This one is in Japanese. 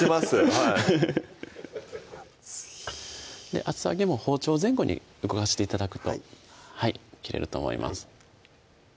熱い厚揚げも包丁を前後に動かして頂くと切れると思います